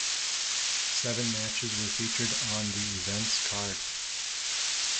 Seven matches were featured on the event's card.